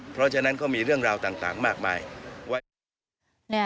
เพราะฉะนั้นก็มีเรื่องราวต่างมากมายว่า